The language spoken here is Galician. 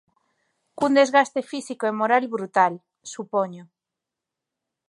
Cun desgaste físico e moral brutal, supoño.